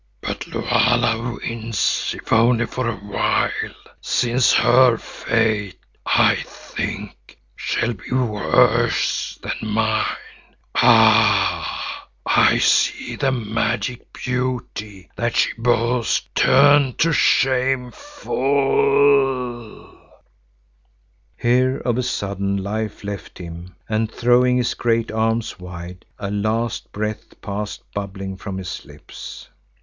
But Lulala wins if only for a while, since her fate, I think, shall be worse than mine. Ah! I see the magic beauty that she boasts turn to shameful——" Here of a sudden life left him and throwing his great arms wide, a last breath passed bubbling from his lips.